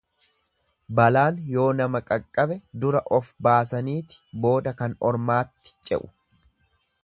Balaan yoo nama qaqqabe dura of baasaniiti booda kan ormaatti ce'u.